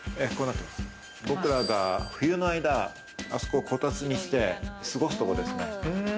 僕らが冬の間、あそこ、こたつにして過ごすところですね。